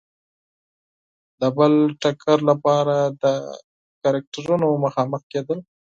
د بل ټکر لپاره د کرکټرونو مخامخ کېدل.